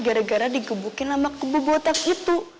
gara gara digebukin sama kebobotak gitu